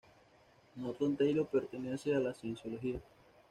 Norton Taylor pertenece a la cienciología.